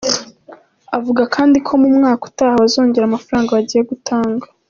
Avuga kandi ko mu mwaka utaha bazongera amafaranga bagiye gutanga.